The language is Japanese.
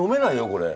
これ。